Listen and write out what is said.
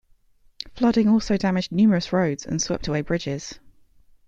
Flooding also damaged numerous roads and swept away bridges.